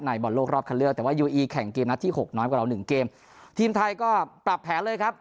บอลโลกรอบคันเลือกแต่ว่ายูอีแข่งเกมนัดที่หกน้อยกว่าเราหนึ่งเกมทีมไทยก็ปรับแผนเลยครับ